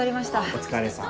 お疲れさん。